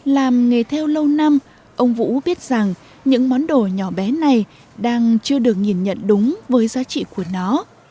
làm nghề theo lâu năm ông vũ biết rằng những món đồ nhỏ bé này đang chưa được nhìn nhận đúng với giá trị của nó